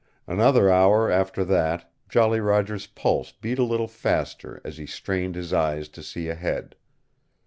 Another hour after that Jolly Roger's pulse beat a little faster as he strained his eyes to see ahead.